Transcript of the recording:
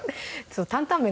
「担々麺」